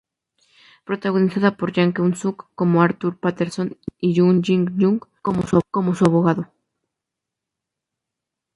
Protagonizada por Jang Keun-suk como Arthur Patterson y Jung Jin-young como su abogado.